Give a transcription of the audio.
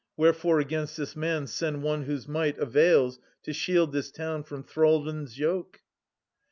' Wherefore, against this man send one whose might Avails to shield this town from thraldom's yoke.